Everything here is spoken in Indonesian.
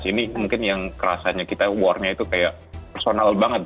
ini mungkin yang kerasanya kita warnya itu kayak personal banget